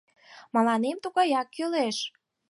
— Мыланем тугаяк кӱлеш!